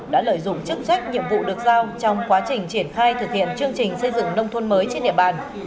đã lợi dụng chức trách nhiệm vụ được giao trong quá trình triển khai thực hiện chương trình xây dựng nông thôn mới trên địa bàn